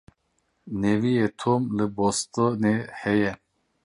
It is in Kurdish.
Neviyê Tom li Bostonê heye.